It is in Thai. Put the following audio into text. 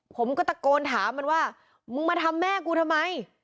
ผมก็ตะโกนถามมันว่ามึงมาทำแม่กูทำไม